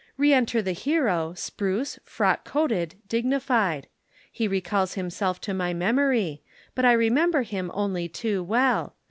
Re enter the hero, spruce, frock coated, dignified. He recalls himself to my memory but I remember him only too well.